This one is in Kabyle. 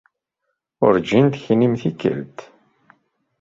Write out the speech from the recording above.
Urǧin teknimt tikkelt.